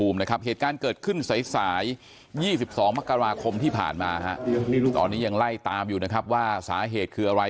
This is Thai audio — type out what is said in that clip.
๒๒มกราคมที่ผ่านมาตอนนี้ยังไล่ตามอยู่นะครับว่าสาเหตุคืออะไร